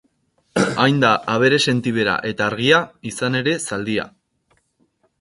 Hain da abere sentibera eta argia, izan ere, zaldia.